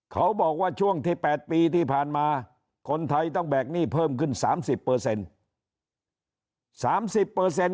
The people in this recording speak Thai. เขาบอกว่าช่วงที่๘ปีที่ผ่านมาคนไทยต้องแบกหนี้เพิ่มขึ้น๓๐